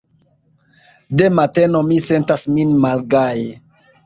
De mateno mi sentas min malgaje.